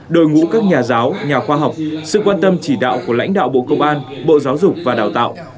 đội ngũ các nhà giáo nhà khoa học sự quan tâm chỉ đạo của lãnh đạo bộ công an bộ giáo dục và đào tạo